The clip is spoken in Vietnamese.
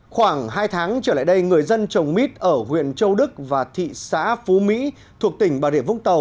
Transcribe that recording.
khoảng hai tháng trở lại đây người dân trồng mít ở huyện châu đức và thị xã phú mỹ thuộc tỉnh bà địa vũng tàu